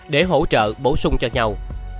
để hỗ trợ bổ sung cho nhau